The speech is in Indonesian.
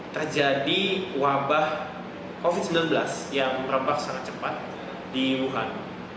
terjadi wabah covid sembilan belas yang merebak secara cepat di wuhan